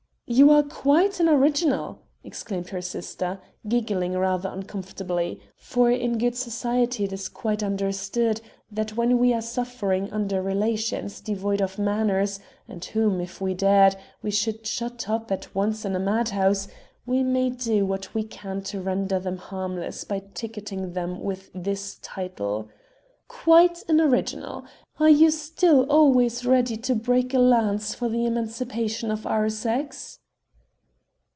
"You are quite an original!" exclaimed her sister, giggling rather uncomfortably for in good society it is quite understood that when we are suffering under relations devoid of manners, and whom, if we dared, we should shut up at once in a mad house, we may do what we can to render them harmless by ticketing them with this title "Quite an original. Are you still always ready to break a lance for the emancipation of our sex?"